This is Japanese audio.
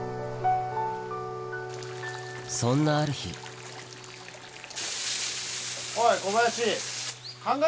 そんなある日おい小林。